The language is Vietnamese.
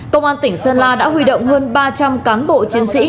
công an tỉnh sơn la đã huy động hơn ba trăm linh cán bộ chiến sĩ